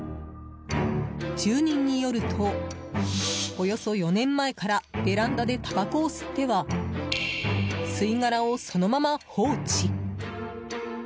住人によると、およそ４年前からベランダでたばこを吸っては吸い殻をそのまま放置。